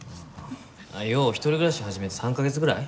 陽一人暮らし始めて３カ月ぐらい？